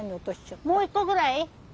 もう一個ぐらい？